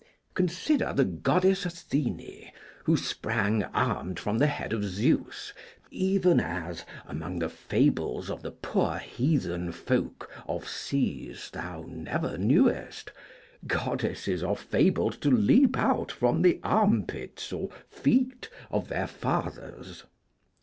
Consider the goddess Athene, who sprang armed from the head of Zeus, even as among the fables of the poor heathen folk of seas thou never knewest goddesses are fabled to leap out from the armpits or feet of their fathers.